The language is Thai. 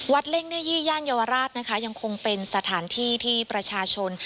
เล่งเนื้อยี่ย่านเยาวราชนะคะยังคงเป็นสถานที่ที่ประชาชน